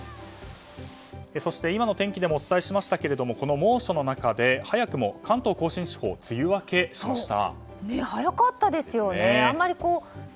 そして今の天気でもお伝えしましたけれどもこの猛暑の中で早くも関東・甲信地方梅雨明けしました。